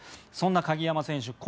そんな鍵山選手